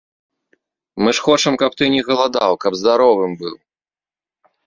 Мы ж хочам, каб ты не галадаў, каб здаровым быў.